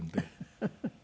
フフフフ。